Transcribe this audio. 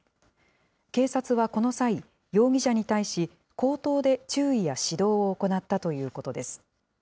警察はこの際、容疑者に対し口頭で注意や指導を行ったということです。